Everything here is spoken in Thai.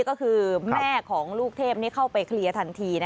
ก็คือแม่ของลูกเทพเข้าไปเคลียร์ทันที